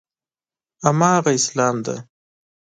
هماغه اسلام دی.